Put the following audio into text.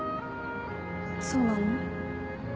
そうなの？